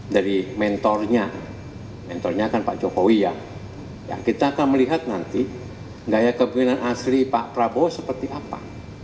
dari mentornya mentornya kan pak jokowi ya kita akan melihat nanti gaya kepemimpinan asli pak prabowo seperti apa